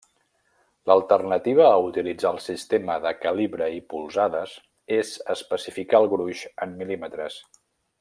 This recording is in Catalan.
L'alternativa a utilitzar el sistema de calibre i polzades és especificar el gruix en mil·límetres.